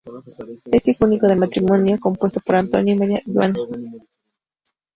Es hijo único del matrimonio compuesto por Antonio y María Joana.